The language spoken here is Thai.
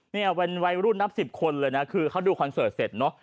เนี่ยเป็นวัยรุ่นนับสิบคนเลยนะคือเขาดูคอนเสิร์ตเสร็จเนอะ